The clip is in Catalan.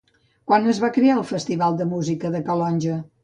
Quan es va crear el Festival de Música de Calonge?